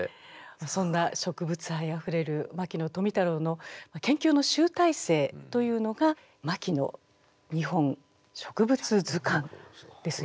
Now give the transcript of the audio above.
そんな植物愛あふれる牧野富太郎の研究の集大成というのが「牧野日本植物図鑑」ですね。